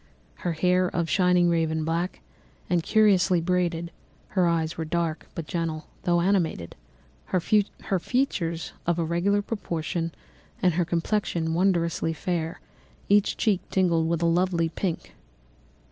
Her hair of a shining raven black, and curiously braided; her eyes were dark, but gentle, although animated; her features of a regular proportion, and her complexion wondrously fair, each cheek tinged with a lovely pink.